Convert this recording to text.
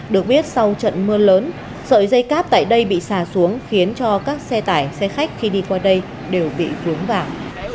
được biết sau trận mưa lớn sợi dây cáp tại đây bị xà xuống khiến cho các xe tải xe khách khi đi qua đây đều bị vướng vào